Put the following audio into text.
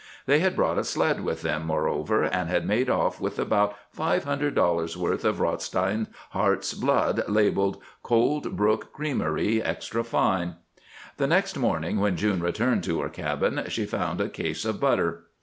They had brought a sled with them, moreover, and had made off with about five hundred dollars' worth of Rothstein's heart's blood, labeled "Cold Brook Creamery, Extra Fine." The next morning when June returned to her cabin she found a case of butter.